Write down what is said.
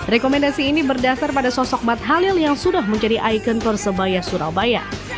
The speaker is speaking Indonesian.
rekomendasi ini berdasar pada sosok mat halil yang sudah menjadi ikon persebaya surabaya